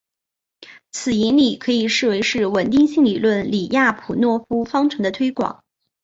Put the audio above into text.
此引理可以视为是稳定性理论李亚普诺夫方程的推广。